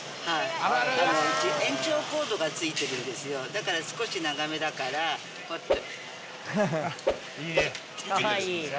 だから少し長めだからこうやって。